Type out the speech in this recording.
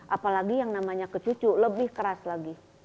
apalagi yang namanya ke cucu lebih keras lagi